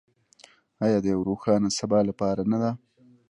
آیا د یو روښانه سبا لپاره نه ده؟